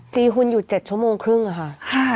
จีหุ่นอยู่๗ชั่วโมงครึ่งอะค่ะ